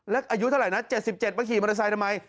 แล้วอายุเท่าไรนะเจ็ดสิบเจ็ดมาขี่มอเตอร์ไซค์ทำไม